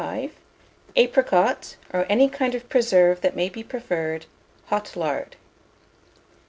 1205; apricot, or any kind of preserve that may be preferred; hot lard.